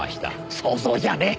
想像じゃね。